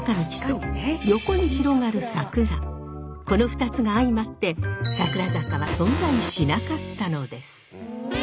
この２つが相まって桜坂は存在しなかったのです。